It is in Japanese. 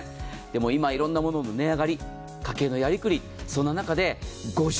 でも今、いろんなものが値上がり家計のやりくり、そんな中でその中で５０％